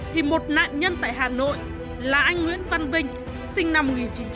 thì một nạn nhân tại hà nội là anh nguyễn văn vinh sinh năm một nghìn chín trăm bảy mươi